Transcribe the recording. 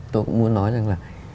tôi cũng muốn nói rằng là